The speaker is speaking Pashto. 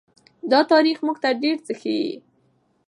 دا تاریخ موږ ته ډېر څه ښيي.